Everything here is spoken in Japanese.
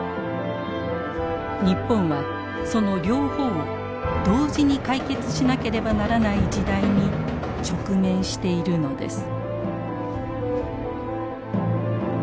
日本はその両方を同時に解決しなければならない時代に直面しているのです。